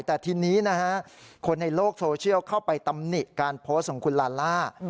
แต่ทีนี้นะฮะคนในโลกโซเชียลเข้าไปตำหนิการโพสต์ของคุณลาล่า